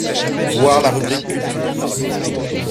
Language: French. Voir la rubrique culture.